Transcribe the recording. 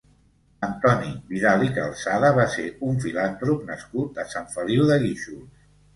Antoni Vidal i Calzada va ser un filàntrop nascut a Sant Feliu de Guíxols.